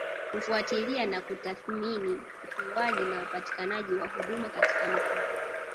kufuatilia na kutathimini utoaji na upatikanaji wa huduma katika mikoa